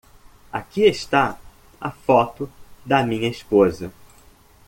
Aqui está a foto da minha esposa.